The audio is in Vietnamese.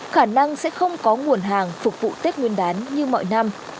khả năng sẽ không có nguồn hàng phục vụ tết nguyên đán như mọi năm